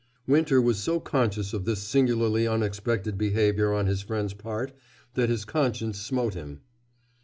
Winter was so conscious of this singularly unexpected behavior on his friend's part that his conscience smote him.